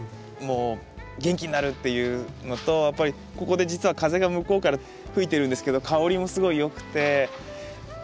もう元気になるっていうのとやっぱりここで実は風が向こうから吹いてるんですけど香りもすごいよくて。